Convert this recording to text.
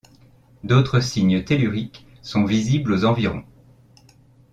D'autres signes telluriques sont visibles aux environs.